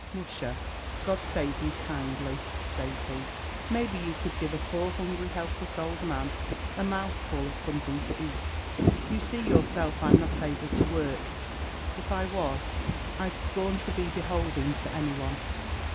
"Musha, God save you kindly!" says he; "maybe you could give a poor, hungry, helpless ould man a mouthful of something to ait? You see yourself I'm not able to work; if I was, I'd scorn to be behoulding to anyone."